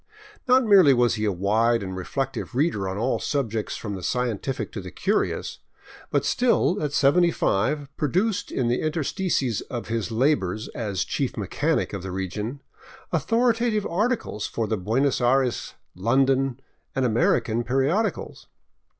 Not merely was he a wide and reflective reader on all subjects from the scientific to the curious, but still, at seventy five, produced in the in terstices of his labors as chief mechanic of the region authoritative articles for the Buenos Aires, London, and American periodicals.